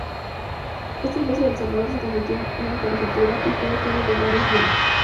Esta iglesia del Salvador se convirtió en Colegiata, y fue dotada con valiosos bienes.